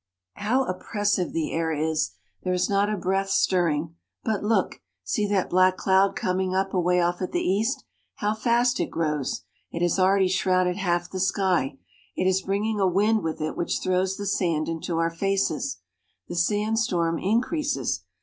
How oppressive the air is ! There is not a breath stir ring. But look ! See that black cloud coming up away off at the east. How fast it grows ! It has already shrouded half of the sky. It is bringing a wind with it which throws the sand into our faces. The sand storm increases.